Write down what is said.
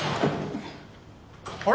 あれ？